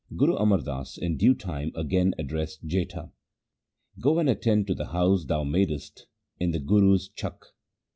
Guru Amar Das in due time again addressed Jetha :' Go and attend to the house thou madest in the Guru's Chakk.